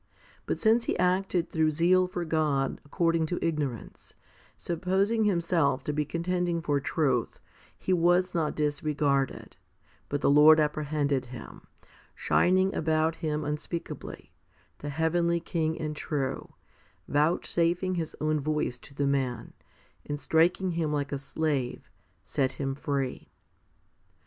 But since he acted through zeal for God according to ignorance, supposing himself to be contending for truth, he was not disregarded, but the Lord apprehended him, shining about him unspeakably, the heavenly King and true, vouchsafing His own voice to the man, and striking him like a slave, 4 set him free.